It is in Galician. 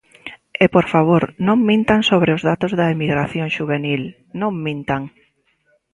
E, por favor, non mintan sobre os datos da emigración xuvenil, non mintan.